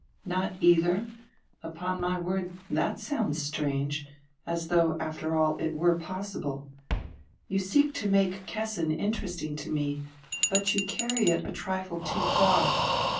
"Not, eidier? Upon my word, diat sounds strange, as diough, after all, it were possible. You seek to make Kessin interesting to me, but you carry it a trifle too far.